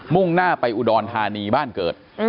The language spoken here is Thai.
่งหน้าไปอุดรธานีบ้านเกิด